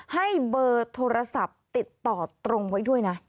ให้เบอร์โทรศัพท์ติดต่อตรงไว้ด้วยนะ